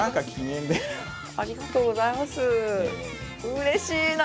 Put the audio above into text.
うれしいな！